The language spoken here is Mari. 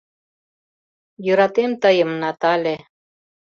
— Йӧратем тыйым, Натале...